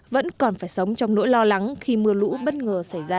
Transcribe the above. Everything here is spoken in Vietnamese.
vẫn còn phải sống trong nỗi lo lắng khi mưa lũ bất ngờ xảy ra